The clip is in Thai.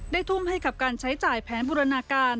ทุ่มให้กับการใช้จ่ายแผนบูรณาการ